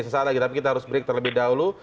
sesaat lagi tapi kita harus break terlebih dahulu